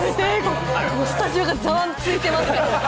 スタジオがざわついてますからね。